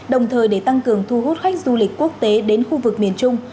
đồng thời để tăng cường thu hút khách du lịch quốc tế đến khu vực miền trung